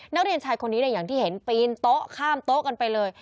นักเรียนชายคนนี้อย่างที่เห็นปีนโต๊ะข้ามโต๊ะกันไปเลย